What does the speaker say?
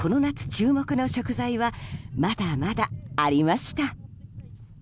注目の食材はまだまだありました。